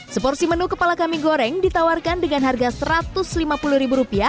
seporsi menu kepala kambing goreng ditawarkan dengan harga rp satu ratus lima puluh